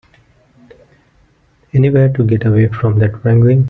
Anywhere to get away from that wrangling.